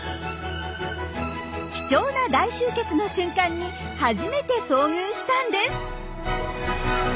貴重な大集結の瞬間に初めて遭遇したんです！